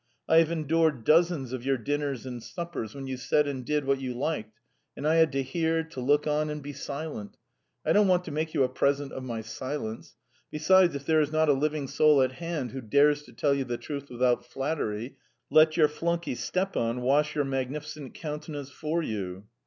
I have endured dozens of your dinners and suppers when you said and did what you liked, and I had to hear, to look on, and be silent. I don't want to make you a present of my silence. Besides, if there is not a living soul at hand who dares to tell you the truth without flattery, let your flunkey Stepan wash your magnificent countenance for you."